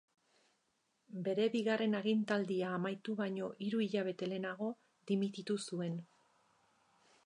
Bere bigarren agintaldia amaitu baina hiru hilabete lehenago dimititu zuen.